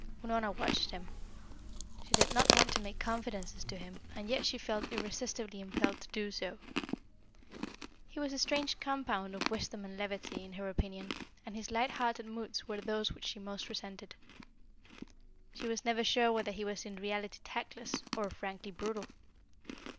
Unorna watched him. She did not want to make confidences to him, and yet she felt irresistibly impelled to do so. He was a strange compound of wisdom and levity, in her opinion, and his light hearted moods were those which she most resented. She was never sure whether he was in reality tactless, or frankly brutal.